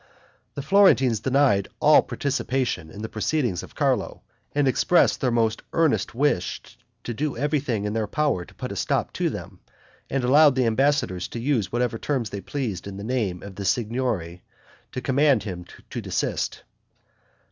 The Florentines denied all participation in the proceedings of Carlo, expressed their most earnest wish to do everything in their power to put a stop to them, and allowed the ambassadors to use whatever terms they pleased in the name of the Signory, to command him to desist.